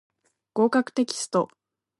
合格テキスト